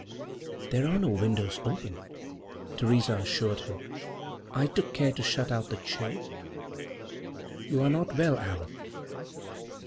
"There are no windows open," Theresa assured him. "I took care to shut out the chill. You are not well, Allan!"